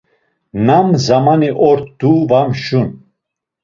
Nam zamani ort̆u var mşun.